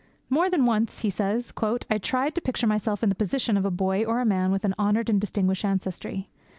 'More than once,' he says 'I tried to picture myself in the position of a boy or man with an honoured and distinguished ancestry.